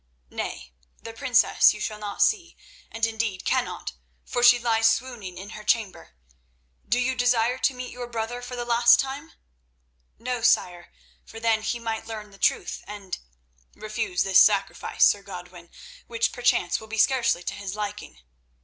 Nay, the princess you shall not see, and indeed cannot, for she lies swooning in her chamber. Do you desire to meet your brother for the last time?" "No, sire, for then he might learn the truth and—" "Refuse this sacrifice, Sir Godwin, which perchance will be scarcely to his liking."